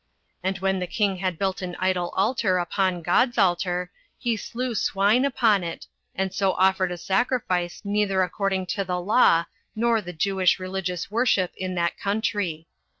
And when the king had built an idol altar upon God's altar, he slew swine upon it, and so offered a sacrifice neither according to the law, nor the Jewish religious worship in that country.